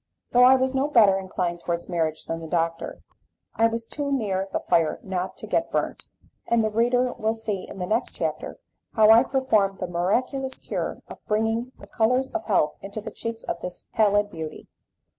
Though I was no better inclined towards marriage than the doctor, I was too near the fire not to get burnt, and the reader will see in the next chapter how I performed the miraculous cure of bringing the colours of health into the cheeks of this pallid beauty.